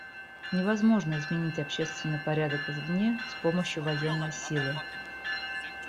Невозможно изменить общественный порядок извне с помощью военной силы.